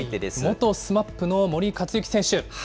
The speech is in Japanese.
元ＳＭＡＰの森且行選手。